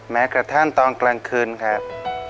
แม้กระทั่งตอนกลางคืนครับ